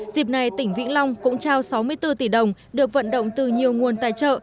dịp này tỉnh vĩnh long cũng trao sáu mươi bốn tỷ đồng được vận động từ nhiều nguồn tài trợ